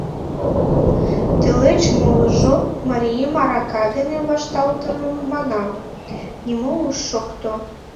Тылеч молыжо, марийым арака дене вашталтымым манам, нимо ыш шокто.